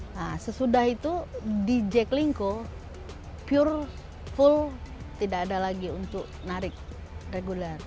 nah sesudah itu di j klingko pure full tidak ada lagi untuk menarik reguler